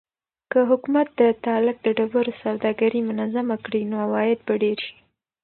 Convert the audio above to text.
که حکومت د تالک د ډبرو سوداګري منظمه کړي نو عواید به ډېر شي.